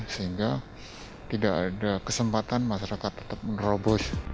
sehingga tidak ada kesempatan masyarakat tetap menerobos